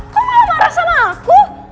kamu malah marah sama aku